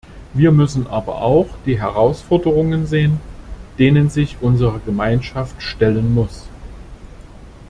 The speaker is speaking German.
Wir müssen aber auch die Herausforderungen sehen, denen sich unsere Gemeinschaft stellen muss.